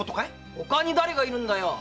他に誰がいるんだよ！